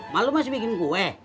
mah lu masih bikin kue